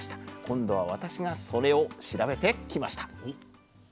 今度は私がそれを調べてきました。